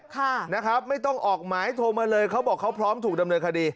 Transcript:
ค่ะนะครับไม่ต้องออกหมายโทรมาเลยเขาบอกเขาพร้อมถูกดำเนินคดี